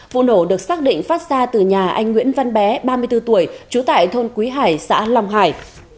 vụ nổ được xác định phát ra từ nhà anh nguyễn văn bé ba mươi bốn tuổi trú tại thôn quý hải xã long hải